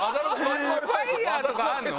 ファイヤーとかあるの？